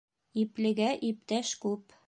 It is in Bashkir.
Иплегә иптәш күп.